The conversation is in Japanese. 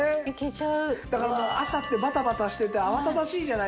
だから朝ってバタバタしてて慌ただしいじゃないですか。